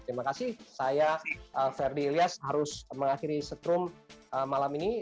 terima kasih saya verdi ilyas harus mengakhiri setrum malam ini